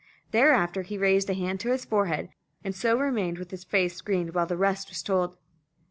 Thereafter he raised a hand to his forehead, and so remained with his face screened while the rest was told.